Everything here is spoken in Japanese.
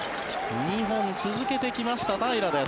２本続けてきました平良です。